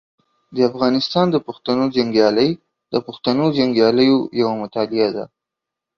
د افغانستان د پښتنو جنګیالي د پښتنو جنګیالیو یوه مطالعه ده.